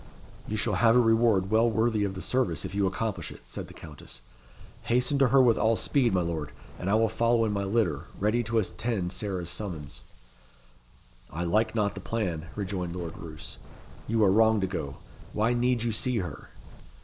"You shall have a reward well worthy of the service if you accomplish it," said the Countess. "Hasten to her with all speed, my Lord, and I will follow in my litter, ready to attend Sarah's summons." "I like not the plan," rejoined Lord Roos. "You are wrong to go. Why need you see her?"